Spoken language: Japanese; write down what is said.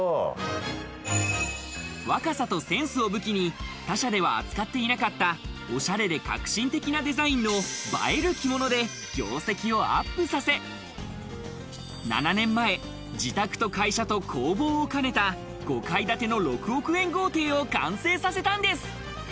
若さとセンスを武器に他社では扱っていなかった、オシャレで革新的なデザインの映える着物で業績をアップさせ、７年前、自宅と会社と工房をかねた５階建ての６億円豪邸を完成させたんです。